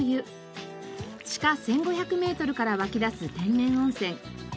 地下１５００メートルから湧き出す天然温泉。